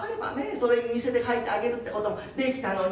それに似せて描いてあげるってこともできたのに。